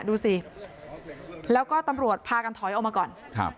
ดูสิแล้วก็ตำรวจพากันถอยออกมาก่อนครับ